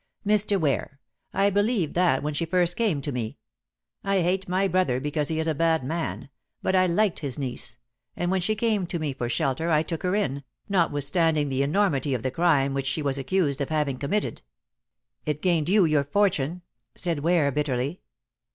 "Mr. Ware, I believed that when she first came to me. I hate my brother because he is a bad man; but I liked his niece, and when she came to me for shelter I took her in, notwithstanding the enormity of the crime which she was accused of having committed." "It gained you your fortune," said Ware bitterly.